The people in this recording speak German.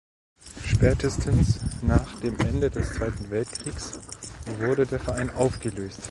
Spätestens nach dem Ende des Zweiten Weltkriegs wurde der Verein aufgelöst.